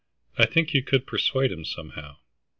I think you could persuade him, somehow."